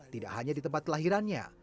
tidak hanya di tempat kelahirannya